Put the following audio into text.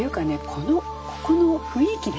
このここの雰囲気ね。